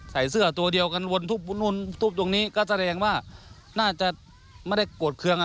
ใส่เสื้อตัวเดียวกันวนทุบนู่นทุบตรงนี้ก็แสดงว่าน่าจะไม่ได้โกรธเครื่องอ่ะ